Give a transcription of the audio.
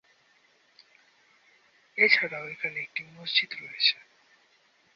এছাড়াও এখানে একটি মসজিদ রয়েছে।